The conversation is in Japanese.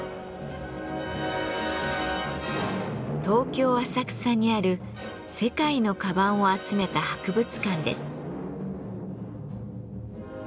東京・浅草にある世界の鞄を集めた博物館です。